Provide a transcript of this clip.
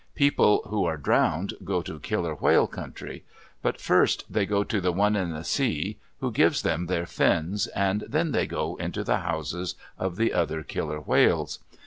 People who are drowned go to Killer Whale Country. But first they go to The One in the Sea who gives them their fins and then they go into the houses of the other Killer Whales.